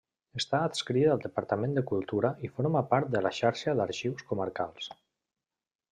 Està adscrit al Departament de Cultura i forma part de la Xarxa d'Arxius Comarcals.